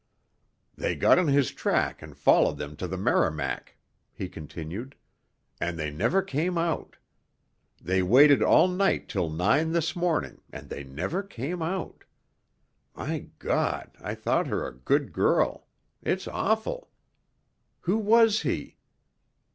"They got on his track and followed them to the Merrimac," he continued. "And they never came out. They waited all night till nine this morning, and they never came out. My God, I thought her a good girl it's awful! Who was he?